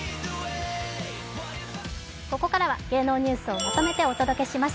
ここからは芸能ニュースをまとめてお届けします。